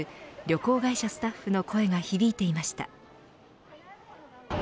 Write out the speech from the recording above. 旅行会社スタッフの声が響いていました。